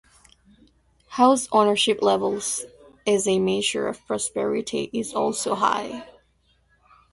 House ownership levels, as a measure of prosperity, is also high.